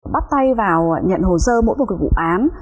bắt tay vào nhận hồ sơ mỗi một vụ án